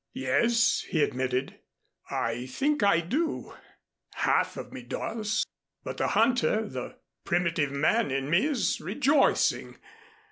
"Yes," he admitted, "I think I do; half of me does but the hunter, the primitive man in me is rejoicing.